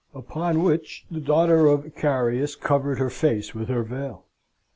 Upon which the daughter of Icarius covered her face with her veil.